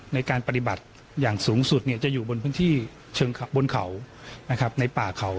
ในการปฏิบัติอย่างสูงสุดจะอยู่บนพื้นที่เชิงบนเขานะครับในป่าเขา